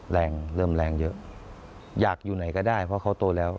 แรงเริ่มแรงเยอะอยากอยู่ไหนก็ได้เพราะเขาโตแล้ว